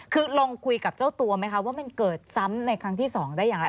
คือลองคุยกับเจ้าตัวไหมคะว่ามันเกิดซ้ำในครั้งที่๒ได้อย่างไร